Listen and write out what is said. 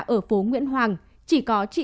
ở phố nguyễn hoàng chỉ có chị